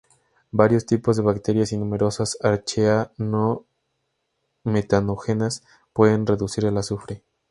Varios tipos de bacterias y numerosas archaea no metanógenas pueden reducir el azufre.